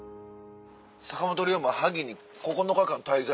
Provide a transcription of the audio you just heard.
「坂本龍馬萩に９日間滞在」。